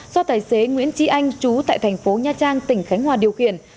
do tài xế nguyễn trí anh trú tại thành phố nha trang tỉnh khánh hòa điều khiển